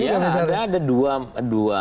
iya ada dua jenis